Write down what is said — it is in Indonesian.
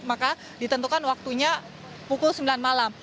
maka ditentukan waktunya pukul sembilan malam